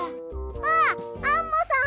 あっアンモさん！